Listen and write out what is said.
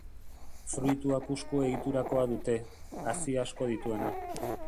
Fruitua kusku egiturakoa dute, hazi asko dituena.